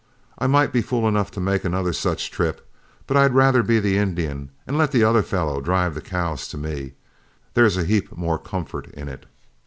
I might be fool enough to make another such trip, but I 'd rather be the Indian and let the other fellow drive the cows to me there 's a heap more comfort in it."